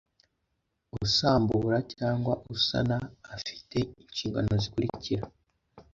usambura cyangwa usana afite inshingano zikurikira